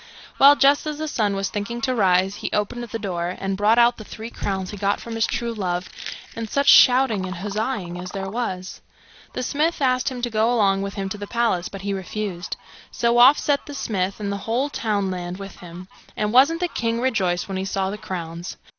Well, just as the sun was thinking to rise, he opened the door, and brought out the three crowns he got from his true love, and such shouting and huzzaing as there was! The smith asked him to go along with him to the palace, but he refused; so off set the smith, and the whole townland with him; and wasn't the king rejoiced when he saw the crowns!